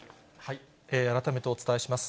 改めてお伝えします。